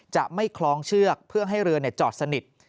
จะไม่คล้องเชือกเพื่อให้เรือจอดสนิท